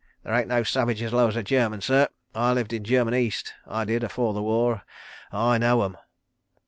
"There ain't no savage as low as a German, sir. ... I lived in German East, I did, afore the war. ... I know 'em.